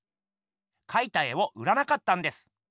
かいた絵を売らなかったんです。